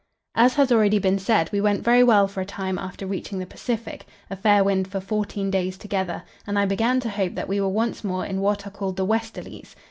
As has already been said, we went very well for a time after reaching the Pacific, a fair wind for fourteen days together, and I began to hope that we were once more in what are called the "westerlies."